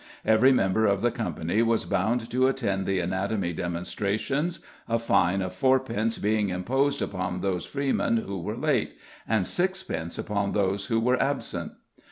Every member of the Company was bound to attend the anatomy demonstrations, a fine of fourpence being imposed upon those freemen who were late, and sixpence upon those who were absent.